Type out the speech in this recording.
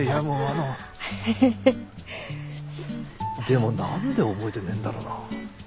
でも何で覚えてねえんだろうな？